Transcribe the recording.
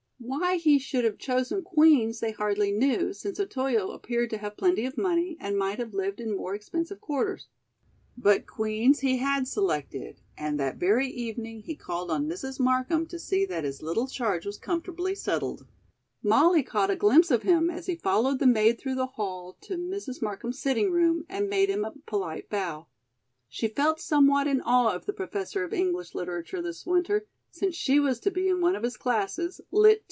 Why he should have chosen Queen's they hardly knew, since Otoyo appeared to have plenty of money and might have lived in more expensive quarters. But Queen's he had selected, and that very evening he called on Mrs. Markham to see that his little charge was comfortably settled. Molly caught a glimpse of him as he followed the maid through the hall to Mrs. Markham's sitting room, and made him a polite bow. She felt somewhat in awe of the Professor of English Literature this winter, since she was to be in one of his classes, Lit.